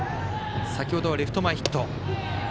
先ほどはレフト前ヒット。